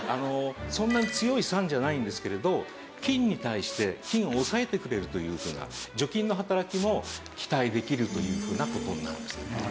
そんなに強い酸じゃないんですけれど菌に対して菌を抑えてくれるというふうな除菌の働きも期待できるというふうな事になるんですね。